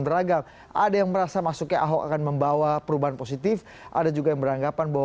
beragam ada yang merasa masuknya ahok akan membawa perubahan positif ada juga yang beranggapan bahwa